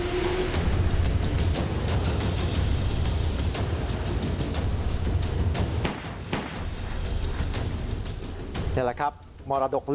สวัสดีครับทุกคน